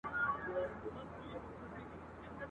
چي له ستوني دي آواز نه وي وتلی ..